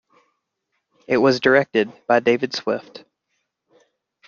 It was directed by David Swift.